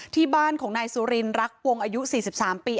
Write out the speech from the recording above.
ที่บ้านของนายสุรินรักวงอายุสี่สิบสามปี